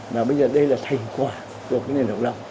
mà bây giờ đây là thành tựu mình phải chiến đấu cho nền độc lập